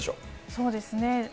そうですね。